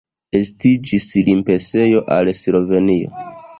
Estiĝis limpasejo al Slovenio.